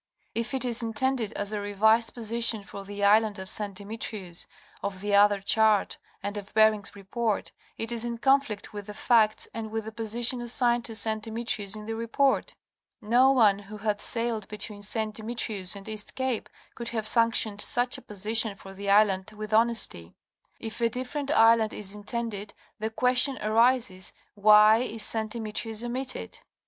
If it is intended as a revised position for the island of St. Demetrius of the other chart and of Bering's Report, it is in conflict with the facts and with the position assigned to St. Demetrius in the report. No one who had sailed between St. Demetrius and East Cape could have sanctioned such a position for the island with honesty. If a different island is intended the question arises, Why is St. Demetrius omitted?